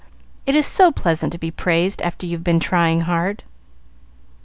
It is so pleasant to be praised after you've been trying hard."